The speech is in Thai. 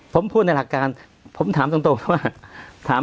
ผมพูดในหลักการผมถามตรงว่า